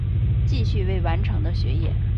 继续未完成的学业